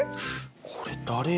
これ誰や？